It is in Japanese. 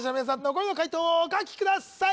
残りの解答をお書きください